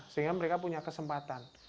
sehingga mereka punya kesempatan